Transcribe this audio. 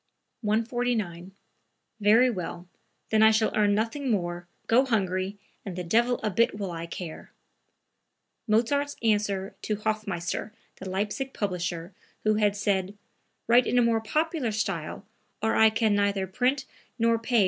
149. "Very well; then I shall earn nothing more, go hungry and the devil a bit will I care!" (Mozart's answer to Hofmeister, the Leipsic publisher, who had said: "Write in a more popular style or I can neither print nor pay for anything of yours.")